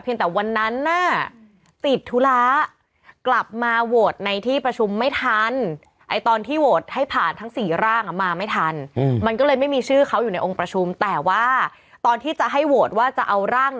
เพียงแต่วันนั้นน่ะติดธุระ